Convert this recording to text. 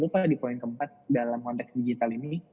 lupa di poin keempat dalam konteks digital ini